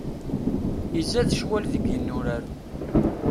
Izad ccwal deg yinurar.